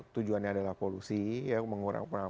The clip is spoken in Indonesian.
tujuannya adalah polusi mengurangkan